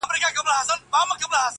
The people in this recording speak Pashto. • ستا د دواړو سترگو سمندر گلي.